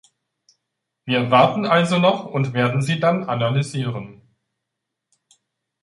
Wir warten also noch und werden sie dann analysieren.